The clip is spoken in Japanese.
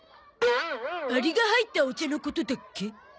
アリが入ったお茶のことだっけ？